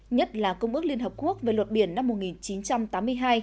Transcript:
nhất là công ước liên hợp quốc về luật biển năm một nghìn chín trăm tám mươi hai